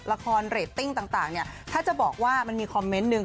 ละครเรตติ้งต่างเนี่ยถ้าจะบอกว่ามันมีคอมเมนต์หนึ่ง